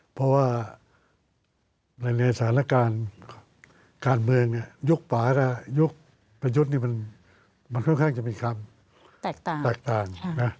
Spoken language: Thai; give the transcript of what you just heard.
เพราะว่าในสถานการณ์การเมืองยุคป่ากับยุคประยุทธ์นี่มันค่อนข้างจะมีความแตกต่าง